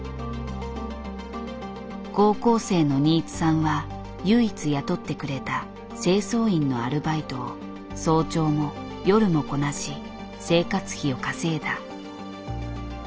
高校生の新津さんは唯一雇ってくれた清掃員のアルバイトを早朝も夜もこなし生活費を稼いだ。